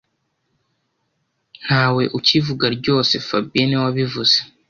Ntawe ukibivuga ryose fabien niwe wabivuze